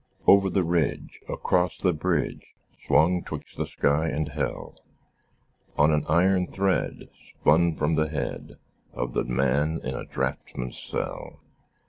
Over the ridge, Across the bridge, Swung twixt the sky and hell, On an iron thread Spun from the head Of the man in a draughtsman's cell.